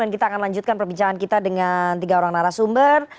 dan kita akan lanjutkan perbincangan kita dengan tiga orang narasumber